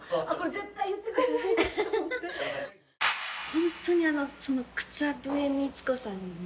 ホントにあの。